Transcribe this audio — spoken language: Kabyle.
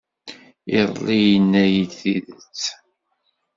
Iḍelli, yenna-iyi-d tidet.